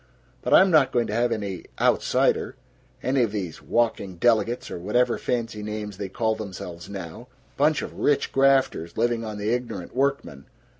But I'm not going to have any outsider, any of these walking delegates, or whatever fancy names they call themselves now bunch of rich grafters, living on the ignorant workmen!